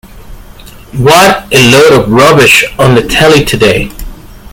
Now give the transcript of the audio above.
What a load of rubbish on the telly today.